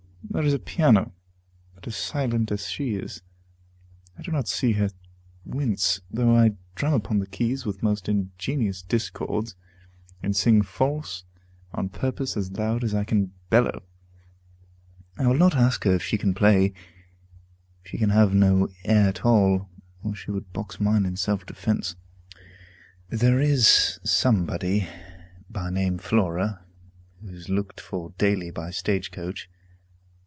There is a piano, but as silent as she is. I do not see her wince, though I drum upon the keys with most ingenious discords, and sing false on purpose as loud as I can bellow. I will not ask her if she can play; she can have no ear at all, or she would box mine in self defence. There is somebody, by name Flora, who is looked for daily by stage coach.